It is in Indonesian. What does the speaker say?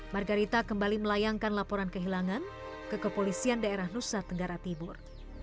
margarita kembali melayangkan laporan kehilangan ke kepolisian daerah nusa tenggara timur